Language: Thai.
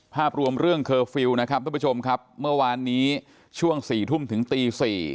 ภาพรวมเรื่องเคอร์ฟิลล์นะครับทุกผู้ชมครับเมื่อวานนี้ช่วง๔ทุ่มถึงตี๔